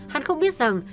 hắn không biết rằng